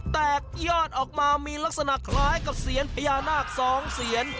แตกยอดออกมามีลักษณะคล้ายกับเซียนพญานาค๒เสียน